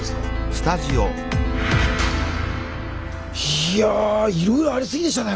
いやいろいろありすぎでしたね